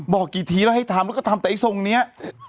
บอกกี่ทีแล้วให้ทำแล้วก็ทำแต่ไอ้ทรงนี้